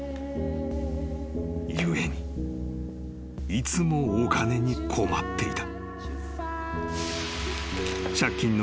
［故にいつもお金に困っていた］